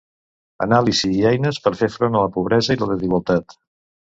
'Anàlisi i eines per fer front a la pobresa i la desigualtat'